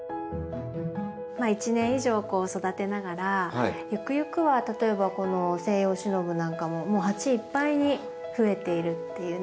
１年以上こう育てながらゆくゆくは例えばこのセイヨウシノブなんかももう鉢いっぱいに増えているっていうね